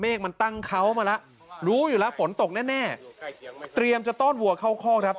มันตั้งเขามาแล้วรู้อยู่แล้วฝนตกแน่เตรียมจะต้อนวัวเข้าคอกครับ